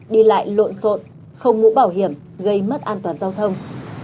đi lại lộn xộn không mũ bảo hiểm gây mất an toàn giao thông